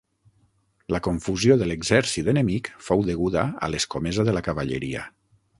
La confusió de l'exèrcit enemic fou deguda a l'escomesa de la cavalleria.